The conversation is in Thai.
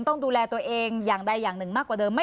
ต้องดูแลตัวเองอย่างใดอย่างหนึ่งมากกว่าเดิม